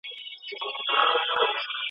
نجلۍ او هلک څنګه خپل اهداف سره شريکوي؟